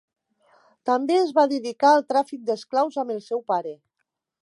També es va dedicar al tràfic d'esclaus amb el seu pare.